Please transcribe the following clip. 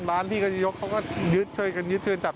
ร้านพี่ก็ยกเขาก็ช่วยกันยึดเตือนจับ